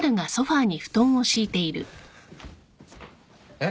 えっ？